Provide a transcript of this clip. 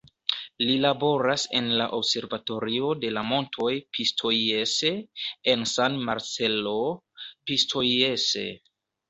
Li laboras en la Observatorio de la Montoj Pistoiese, en San Marcello Pistoiese.